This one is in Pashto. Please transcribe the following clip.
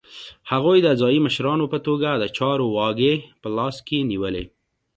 هغوی د ځايي مشرانو په توګه د چارو واګې په لاس کې نیولې.